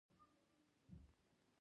د پکتیکا په یحیی خیل کې څه شی شته؟